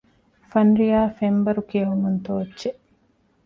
ފަންރިޔާ ފެންބަރު ކެއުމުން ތޯއްޗެއް